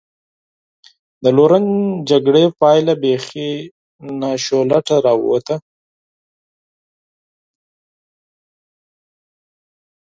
د لورن جګړې پایله بېخي ناشولته را ووته.